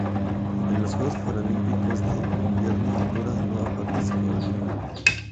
En los Juegos Paralímpicos de Invierno Honduras no ha participado en ninguna edición.